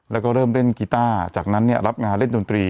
แล้วก็เริ่มเล่นกีต้าจากนั้นรับงานเล่นดนตรี